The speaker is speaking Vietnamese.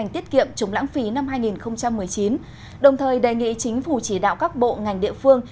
tiết kiệm chống lãng phí năm hai nghìn một mươi chín đồng thời đề nghị chính phủ chỉ đạo các bộ ngành địa phương